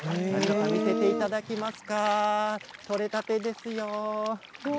見せていただけますか取れたてですよ。